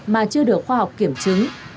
mà chưa được khoa học kiểm chứng